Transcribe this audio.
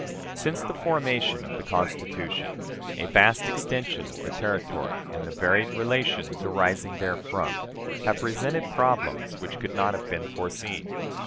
Since the formation of the Constitution, a vast extension of territory and the varied relations arising therefrom have presented problems which could not have been foreseen.